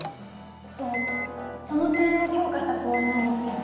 でもその点を強化したつもりなんですけど。